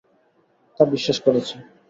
তা বিশ্বাস করেছি।